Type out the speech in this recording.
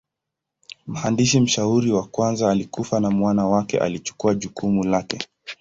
Mhandisi mshauri wa kwanza alikufa na mwana wake alichukua jukumu lake.